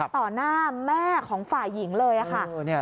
หน้าแม่ของฝ่ายหญิงเลยค่ะ